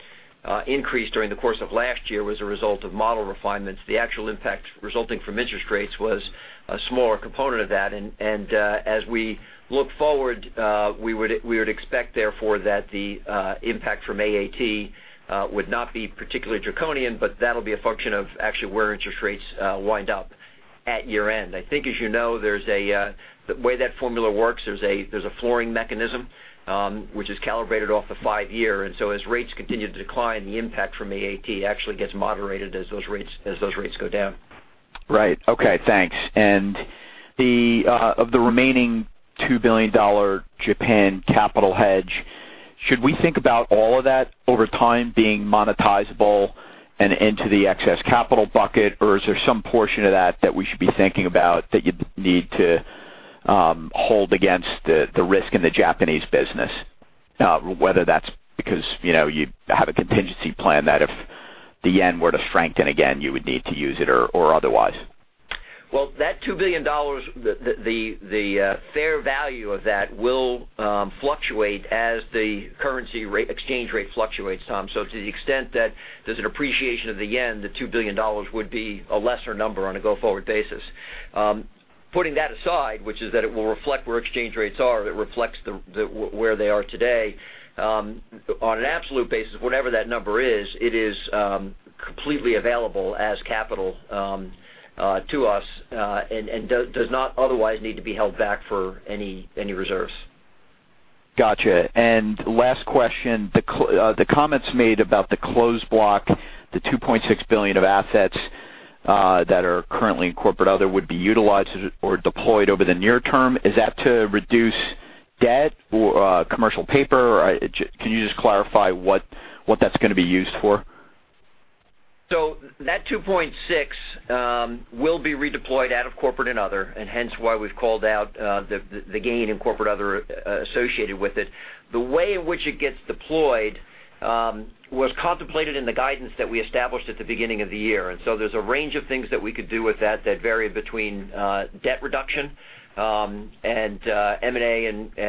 increase during the course of last year was a result of model refinements. The actual impact resulting from interest rates was a smaller component of that. As we look forward, we would expect therefore that the impact from AAT would not be particularly draconian, but that'll be a function of actually where interest rates wind up at year-end. I think, as you know, the way that formula works, there's a flooring mechanism, which is calibrated off the 5-year. As rates continue to decline, the impact from AAT actually gets moderated as those rates go down. Right. Okay, thanks. Of the remaining $2 billion Japan capital hedge, should we think about all of that over time being monetizable and into the excess capital bucket? Or is there some portion of that we should be thinking about that you'd need to hold against the risk in the Japanese business? Whether that's because you have a contingency plan that if the yen were to strengthen again, you would need to use it or otherwise. Well, that $2 billion, the fair value of that will fluctuate as the currency exchange rate fluctuates, Tom. To the extent that there's an appreciation of the Yen, the $2 billion would be a lesser number on a go-forward basis. Putting that aside, which is that it will reflect where exchange rates are, it reflects where they are today. On an absolute basis, whatever that number is, it is completely available as capital to us, and does not otherwise need to be held back for any reserves. Got you. Last question, the comments made about the closed block, the $2.6 billion of assets that are currently in corporate other would be utilized or deployed over the near term. Is that to reduce debt or commercial paper? Can you just clarify what that's going to be used for? That $2.6 will be redeployed out of corporate and other, hence why we've called out the gain in corporate other associated with it. The way in which it gets deployed was contemplated in the guidance that we established at the beginning of the year. There's a range of things that we could do with that vary between debt reduction, M&A,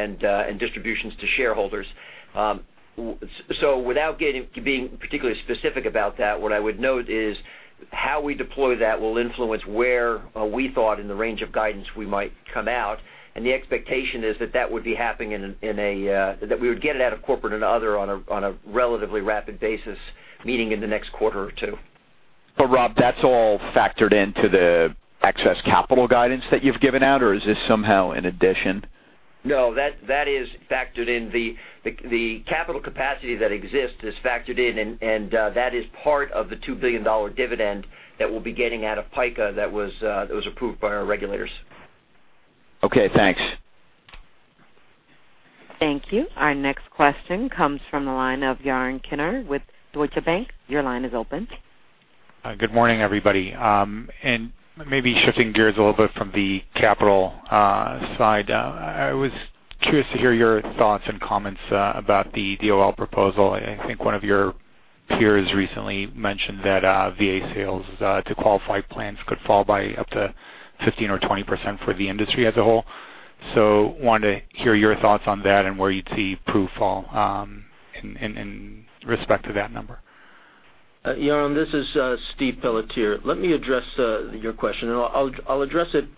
and distributions to shareholders. Without getting to being particularly specific about that, what I would note is how we deploy that will influence where we thought in the range of guidance we might come out. The expectation is that we would get it out of corporate and other on a relatively rapid basis, meaning in the next quarter or two. Rob, that's all factored into the excess capital guidance that you've given out, or is this somehow in addition? No, that is factored in. The capital capacity that exists is factored in, and that is part of the $2 billion dividend that we'll be getting out of PICA that was approved by our regulators. Okay, thanks. Thank you. Our next question comes from the line of Yaron Kinar with Deutsche Bank. Your line is open. Good morning, everybody. Maybe shifting gears a little bit from the capital side. I was curious to hear your thoughts and comments about the DOL proposal. I think one of your peers recently mentioned that VA sales to qualified plans could fall by up to 15% or 20% for the industry as a whole. Wanted to hear your thoughts on that and where you'd see Pru fall in respect to that number. Yaron, this is Steve Pelletier. Let me address your question, and I'll address it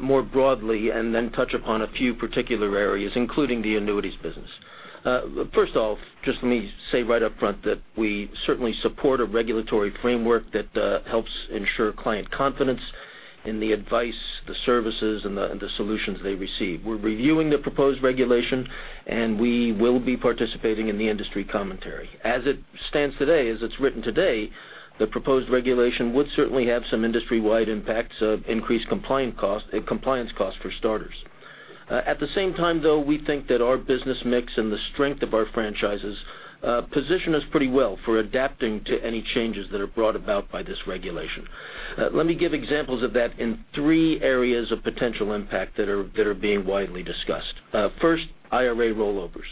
more broadly and then touch upon a few particular areas, including the annuities business. First off, just let me say right up front that we certainly support a regulatory framework that helps ensure client confidence in the advice, the services, and the solutions they receive. We're reviewing the proposed regulation, and we will be participating in the industry commentary. As it stands today, as it's written today, the proposed regulation would certainly have some industry-wide impacts of increased compliance cost for starters. At the same time, though, we think that our business mix and the strength of our franchises position us pretty well for adapting to any changes that are brought about by this regulation. Let me give examples of that in three areas of potential impact that are being widely discussed. First, IRA rollovers.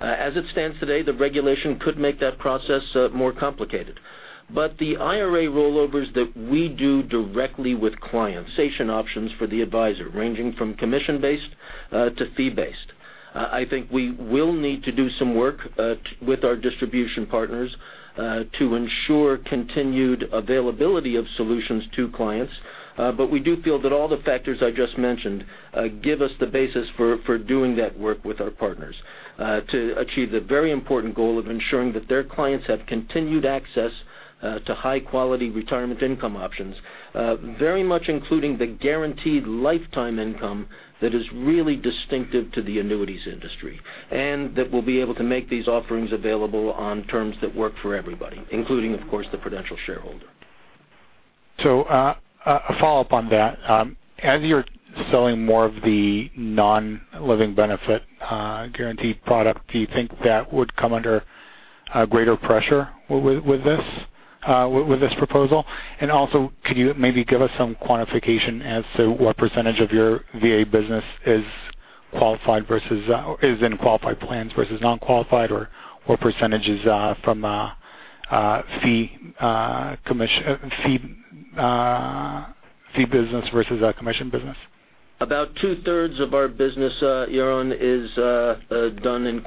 As it stands today, the regulation could make that process more complicated. The IRA rollovers that we do directly with clients, certain options for the advisor ranging from commission-based to fee-based. I think we will need to do some work with our distribution partners to ensure continued availability of solutions to clients. We do feel that all the factors I just mentioned give us the basis for doing that work with our partners to achieve the very important goal of ensuring that their clients have continued access to high-quality retirement income options. Very much including the guaranteed lifetime income that is really distinctive to the annuities industry, and that we'll be able to make these offerings available on terms that work for everybody, including, of course, the Prudential shareholder. A follow-up on that. As you're selling more of the non-living benefit guaranteed product, do you think that would come under greater pressure with this proposal? Also, could you maybe give us some quantification as to what percentage of your VA business is in qualified plans versus non-qualified, or what percentage is from fee-based business versus a commission business? About two-thirds of our business, Yaron, is done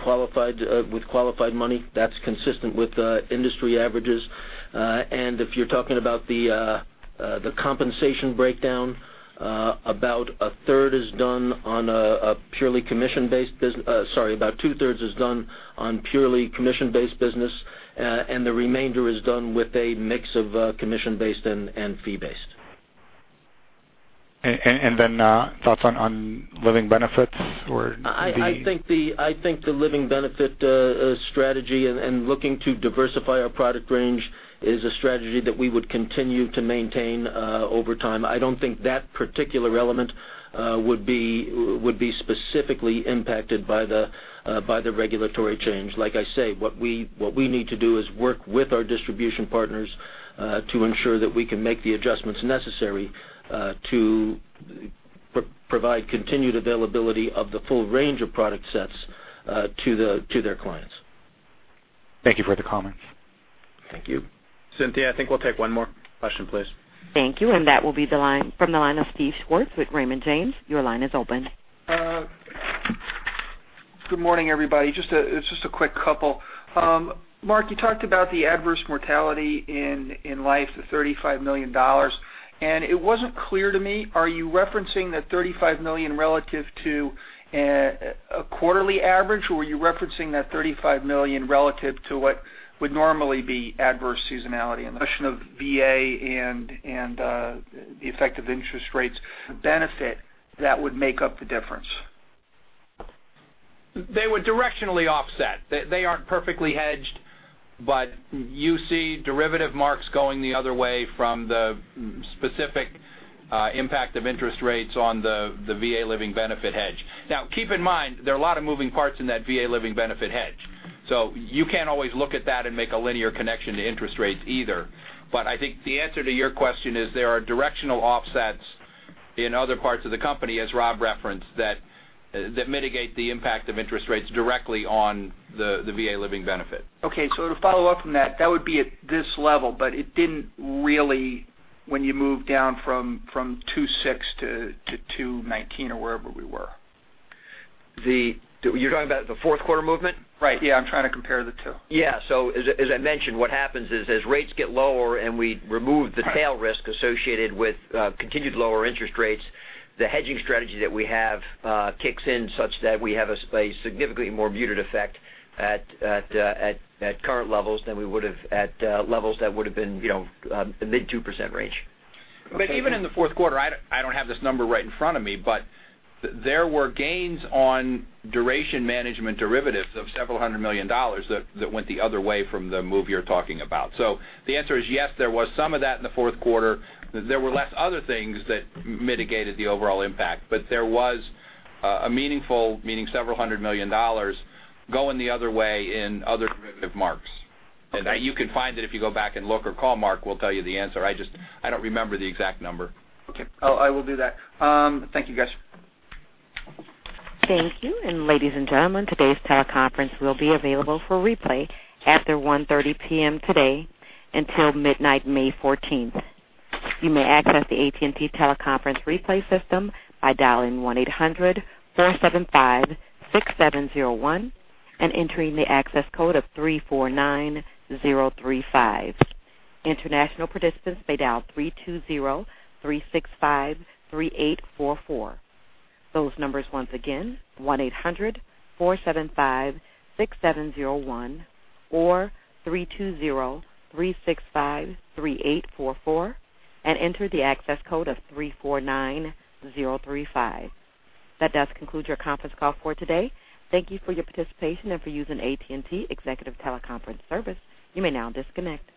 with qualified money. That's consistent with industry averages. If you're talking about the compensation breakdown, about two-thirds is done on purely commission-based business, and the remainder is done with a mix of commission-based and fee-based. Thoughts on living benefits. I think the living benefit strategy and looking to diversify our product range is a strategy that we would continue to maintain over time. I don't think that particular element would be specifically impacted by the regulatory change. Like I say, what we need to do is work with our distribution partners to ensure that we can make the adjustments necessary to provide continued availability of the full range of product sets to their clients. Thank you for the comments. Thank you. Cynthia, I think we'll take one more question, please. Thank you. That will be from the line of Steven Schwartz with Raymond James. Your line is open. Good morning, everybody. It's just a quick couple. Mark, you talked about the adverse mortality in life, the $35 million. It wasn't clear to me, are you referencing that $35 million relative to a quarterly average, or were you referencing that $35 million relative to what would normally be adverse seasonality? A notion of VA and the effect of interest rates benefit that would make up the difference. They would directionally offset. They aren't perfectly hedged, but you see derivative marks going the other way from the specific impact of interest rates on the VA living benefit hedge. Keep in mind, there are a lot of moving parts in that VA living benefit hedge. You can't always look at that and make a linear connection to interest rates either. I think the answer to your question is there are directional offsets in other parts of the company, as Rob referenced, that mitigate the impact of interest rates directly on the VA living benefit. Okay. To follow up from that would be at this level, but it didn't really when you moved down from two six to 19 or wherever we were. You're talking about the fourth quarter movement? Right. Yeah, I'm trying to compare the two. Yeah. As I mentioned, what happens is as rates get lower and we remove the tail risk associated with continued lower interest rates, the hedging strategy that we have kicks in such that we have a significantly more muted effect at current levels than we would have at levels that would have been the mid 2% range. Even in the fourth quarter, I don't have this number right in front of me, but there were gains on duration management derivatives of several hundred million dollars that went the other way from the move you're talking about. The answer is yes, there was some of that in the fourth quarter. There were less other things that mitigated the overall impact. There was a meaningful, meaning several hundred million dollars, going the other way in other derivative marks. Okay. You could find it if you go back and look or call Mark, we'll tell you the answer. I don't remember the exact number. Okay. I will do that. Thank you, guys. Thank you. Ladies and gentlemen, today's teleconference will be available for replay after 1:30 P.M. today until midnight, May 14th. You may access the AT&T Teleconference replay system by dialing 1-800-475-6701 and entering the access code of 349035. International participants may dial 3203653844. Those numbers once again, 1-800-475-6701 or 3203653844, and enter the access code of 349035. That does conclude your conference call for today. Thank you for your participation and for using AT&T Executive Teleconference Service. You may now disconnect.